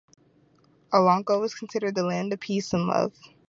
Olancho is considered the land of peace and love.